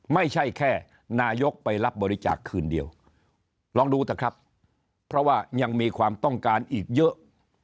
ไม่ใช่แค่นายกไปรับบริจาคคืนเดียวลองดูเถอะครับเพราะว่ายังมีความต้องการอีกเยอะ